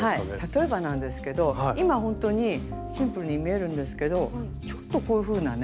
例えばなんですけど今ほんとにシンプルに見えるんですけどちょっとこういうふうなね